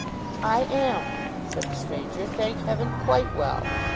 'I am,' said the stranger, 'thank Heaven, quite well.